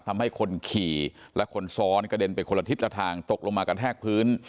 ทำให้คนขี่และคนซ้อนกระเด็นไปคนละทิศละทางตกลงมากระแทกพื้น